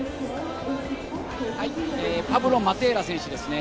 はい、パブロ・マテーラ選手ですね。